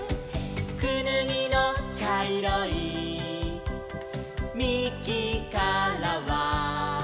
「くぬぎのちゃいろいみきからは」